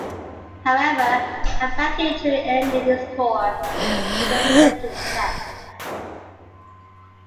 However, a back injury ended his tour before the second Test.